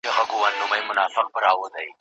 مُلا یې بولي تشي خبري